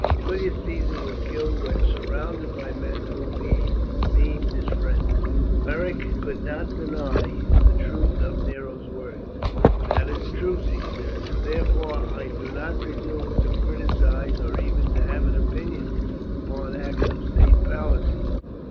Julius Caesar was killed when surrounded by men whom he deemed his friends." Beric could not deny the truth of Nero's words. "That is true, Caesar, and therefore I do not presume to criticise or even to have an opinion upon acts of state policy.